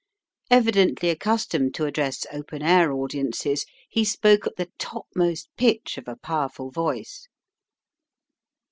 Evidently accustomed to address open air audiences, he spoke at the topmost pitch of a powerful voice.